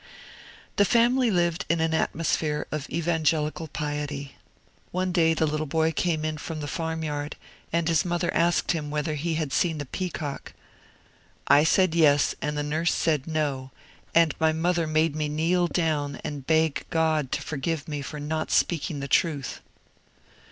The family lived in an atmosphere of Evangelical piety. One day the little boy came in from the farmyard, and his mother asked him whether he had seen the peacock. 'I said yes, and the nurse said no, and my mother made me kneel down and beg God to forgive me for not speaking the truth.'